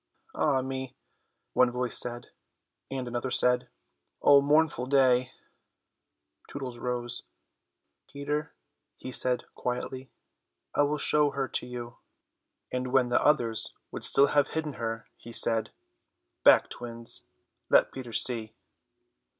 "Ah me!" one voice said, and another said, "Oh, mournful day." Tootles rose. "Peter," he said quietly, "I will show her to you," and when the others would still have hidden her he said, "Back, twins, let Peter see."